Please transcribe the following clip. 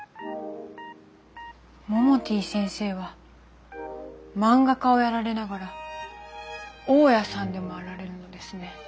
モモティ先生は漫画家をやられながら大家さんでもあられるのですね。